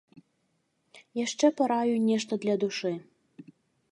Яшчэ параю нешта для душы.